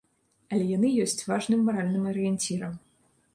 Але яны ёсць важным маральным арыенцірам.